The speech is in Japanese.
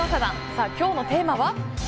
さあ、今日のテーマは。